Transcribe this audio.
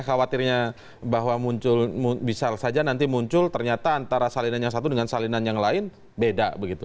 khawatirnya bahwa muncul bisa saja nanti muncul ternyata antara salinan yang satu dengan salinan yang lain beda begitu